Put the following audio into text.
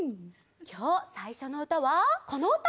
きょうさいしょのうたはこのうた！